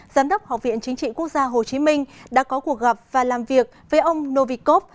giám đốc học viện chính trị quốc gia hồ chí minh đã có cuộc gặp và làm việc với ông novikov